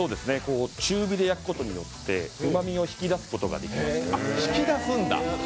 中火で焼くことによってうまみを引き出すことができます。